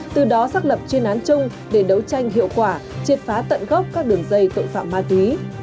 từ đó xác lập chuyên án chung để đấu tranh hiệu quả triệt phá tận gốc các đường dây tội phạm ma túy